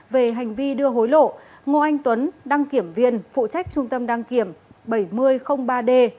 về hành vi đưa hối lộ ngô anh tuấn đăng kiểm viên phụ trách trung tâm đăng kiểm bảy nghìn ba d